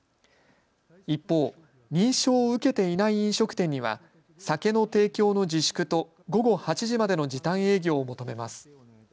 一方、認証を受けていない飲食店には酒の提供の自粛と午後８時までの時短営業を求めます。